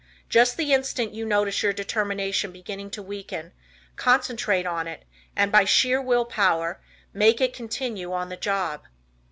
Just the instant you notice your determination beginning to weaken, concentrate on it and by sheer Will Power make it continue on the "job."